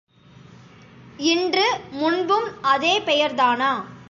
இன்று, முன்பும் அதே பெயர்தானா?